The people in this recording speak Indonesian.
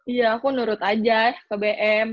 iya aku nurut aja ke bm